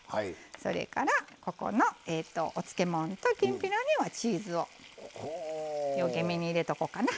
それからここのお漬物ときんぴらにはチーズをようけめに入れとこうかな。